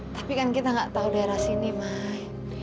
tapi kan kita gak tau daerah sini mai